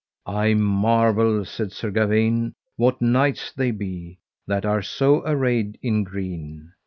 I marvel, said Sir Gawaine, what knights they be, that are so arrayed in green.